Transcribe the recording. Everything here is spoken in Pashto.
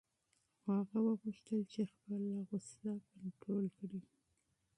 خو هغه وغوښتل چې خپله غوسه کنټرول کړي.